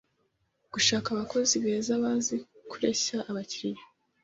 gushaka abakozi beza bazi kureshya abakiriya